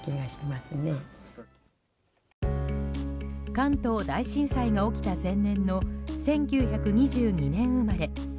関東大震災が起きた前年の１９２２年生まれ。